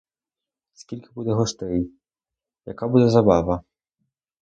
Скільки буде гостей, яка буде забава!